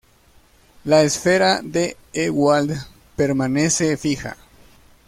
La esfera de Ewald permanece fija.